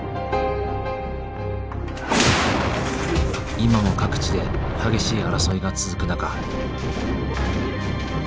今も各地で激しい争いが続く中。